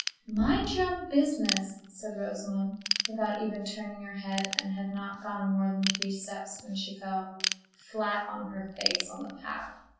"Mind your own business," said Rosamond, without even turning her head, and had not gone more than three steps when she fell flat on her face on the path.